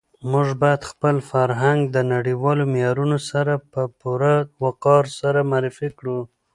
موږ باید خپل فرهنګ د نړیوالو معیارونو سره په پوره وقار سره معرفي کړو.